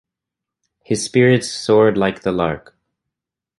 His spirits soared like the lark.